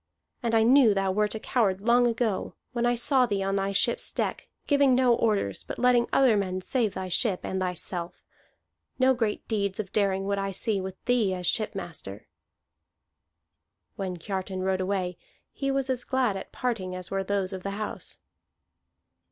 And I knew thou wert a coward long ago, when I saw thee on thy ship's deck, giving no orders, but letting other men save thy ship and thyself. No great deeds of daring would I see with thee as shipmaster." When Kiartan rode away, he was as glad at parting as were those of the house.